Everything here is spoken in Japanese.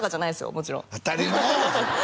もちろん当たり前やん！